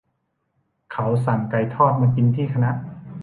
เขาสั่งไก่ทอดมากินที่คณะ